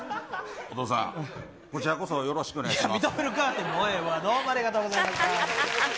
お父さん、こちらこそ、よろしくお願いします。